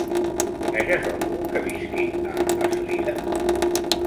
Coneixes algú que visqui a Eslida?